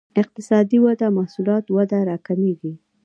اقتصادي وده محصولات وده راکمېږي.